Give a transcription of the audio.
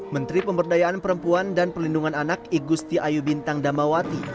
menteri pemberdayaan perempuan dan perlindungan anak igusti ayubintang damawati